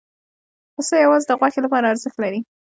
پسه یوازې د غوښې لپاره ارزښت لري.